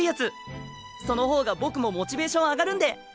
そのほうが僕もモチベーション上がるんで！